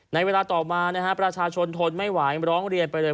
ในเวลาต่อมานะฮะประชาชนทนไม่ไหวร้องเรียนไปเลย